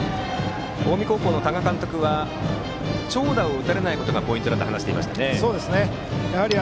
近江高校の多賀監督は長打を打たれないことがポイントだと話していましたね。